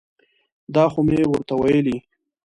دا خو مې ورته ویلي.